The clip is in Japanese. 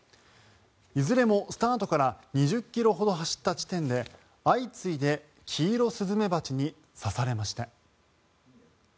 いずれもスタートから２０ｋｍほど走った地点で相次いでキイロスズメバチに刺されました。